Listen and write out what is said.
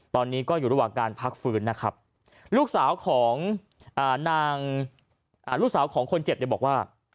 ตอนนี้ก็อยู่ระหว่างการพักฟื้นนะครับลูกสาวของนางลูกสาวของคนเจ็บเนี่ยบอกว่า